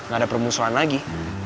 gak ada permusuhan lagi